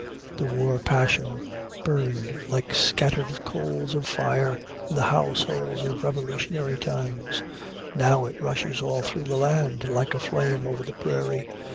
The war passion burned like scattered coals of fire in the households of Revolutionary times; now it rushes all through the land like a flame over the prairie.